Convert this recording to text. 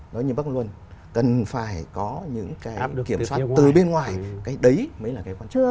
nói như bác luân cần phải có những cái kiểm soát từ bên ngoài cái đấy mới là cái văn chưa